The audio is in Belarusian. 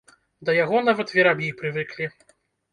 Да яго нават вераб'і прывыклі.